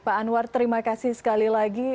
pak anwar terima kasih sekali lagi